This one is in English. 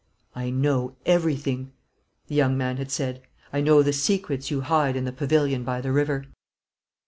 "I know everything," the young man had said; "I know the secrets you hide in the pavilion by the river!"